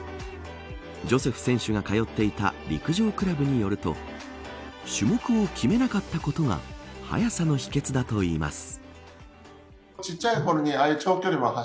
ジョセフ選手が通っていた陸上クラブによると種目を決めなかったことが速さの秘訣だといいます。